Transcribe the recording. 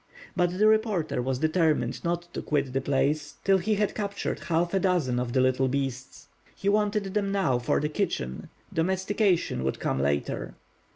But the reporter was determined not to quit the place till he had captured half a dozen of the little beasts. He wanted them now for the kitchen: domestication would come later.